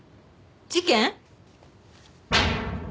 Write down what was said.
事件！？